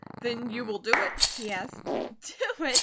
"Then you will do it?" he asked. "Do it?"